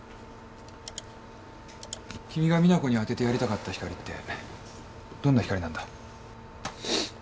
君が実那子に当ててやりたかった光ってどんな光なんだ？